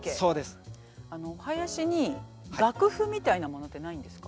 あのお囃子に楽譜みたいなものってないんですか。